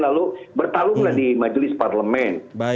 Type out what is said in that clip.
lalu bertarunglah di majelis parlemen